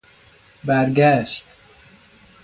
برگشت